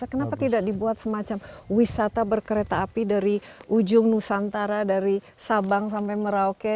kenapa tidak dibuat semacam wisata berkereta api dari ujung nusantara dari sabang sampai merauke